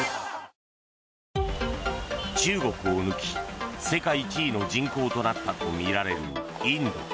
中国を抜き、世界１位の人口となったとみられるインド。